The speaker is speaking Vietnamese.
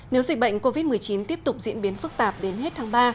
nếu dịch bệnh covid một mươi chín tiếp tục diễn biến phức tạp đến hết tháng ba